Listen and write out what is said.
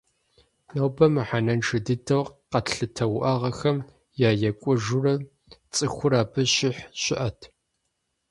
Нобэ мыхьэнэншэ дыдэу къэтлъытэ уӏэгъэхэм е екӏуэжурэ цӏыхур абы щихь щыӏэт.